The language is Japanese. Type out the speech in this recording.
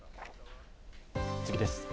次です。